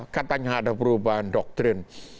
katanya ada perubahan doktrin